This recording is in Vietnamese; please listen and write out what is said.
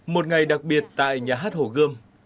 một ngày đặc biệt tại nhà hát hồ gươm